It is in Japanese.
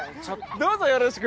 どうぞよろしく。